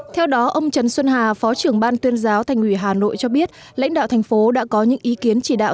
theo đó ông trần xuân hà phó trưởng ban tuyên giáo thành ủy hà nội cho biết lãnh đạo thành phố đã có những ý kiến chỉ đạo